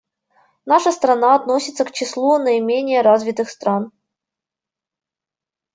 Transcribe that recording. Наша страна относится к числу наименее развитых стран.